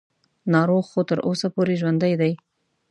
ناروغ خو تر اوسه پورې ژوندی دی.